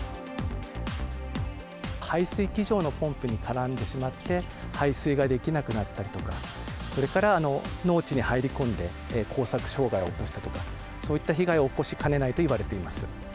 排水機場のポンプに絡んでしまって、排水ができなくなったりとか、それから農地に入り込んで耕作障害を起こしたとか、そういった被害を起こしかねないといわれています。